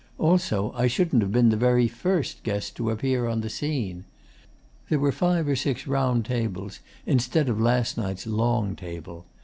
Also, I shouldn't have been the very first guest to appear on the scene. There were five or six round tables, instead of last night's long table.